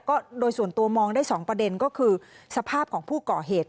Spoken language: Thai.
ก็โดยส่วนตัวมองได้สองประเด็นก็คือสภาพของผู้ก่อเหตุ